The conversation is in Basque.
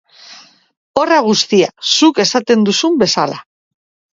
Horra guztia, zuk esaten duzun bezala.